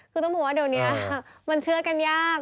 ก็ต้องผมบอกว่าเดี๋ยวนี้เชื่อกันยาก